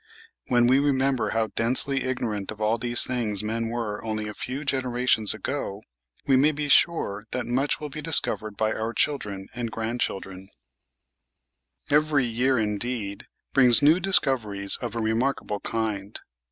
When we remember how densely ignorant of all these things men were only a few generations ago, we may be sure that much will be discovered by our children and grandchildren. 336 The Outline of Science Every year, indeed, brings new discoveries of a remarkable kind.